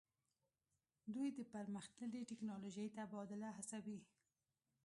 دوی د پرمختللې ټیکنالوژۍ تبادله هڅوي